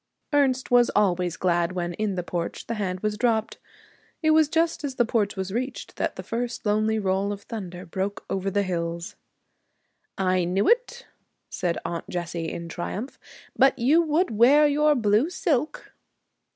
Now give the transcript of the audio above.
Ernest was always glad when, in the porch, the hand was dropped. It was just as the porch was reached that the first lonely roll of thunder broke over the hills. 'I knew it,' said Aunt Jessie, in triumph; 'but you would wear your blue silk.'